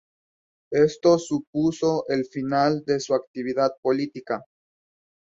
Esto supuso el final de su actividad política.